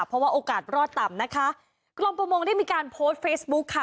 เพราะว่าโอกาสรอดต่ำนะคะกรมประมงได้มีการโพสต์เฟซบุ๊คค่ะ